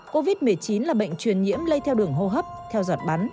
covid một mươi chín là bệnh truyền nhiễm lây theo đường hô hấp theo giọt bắn